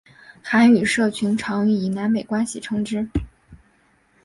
韩语社群常以南北关系称之。